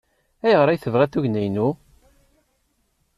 Ayɣer ay tebɣiḍ tugna-inu?